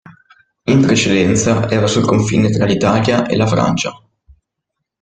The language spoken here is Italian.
In precedenza era sul confine tra l'Italia e la Francia.